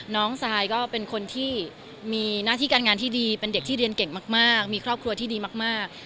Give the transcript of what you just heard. ทรายก็เป็นคนที่มีหน้าที่การงานที่ดีเป็นเด็กที่เรียนเก่งมากมีครอบครัวที่ดีมาก